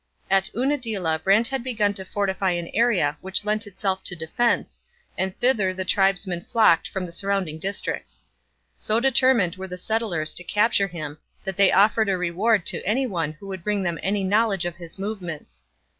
At Unadilla Brant had begun to fortify an area which lent itself to defence, and thither the tribesmen flocked from the surrounding districts. So determined were the settlers to capture him that they offered a reward to any one who would bring them any knowledge of his movements.